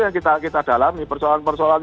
yang kita dalami persoalan persoalan